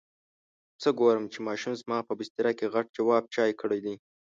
څه ګورم چې ماشوم زما په بستره کې غټ جواب چای کړی دی.